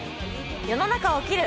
世の中を斬る！